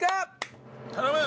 頼む！